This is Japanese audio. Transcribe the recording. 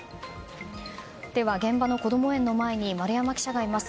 では、現場のこども園の前に丸山記者がいます。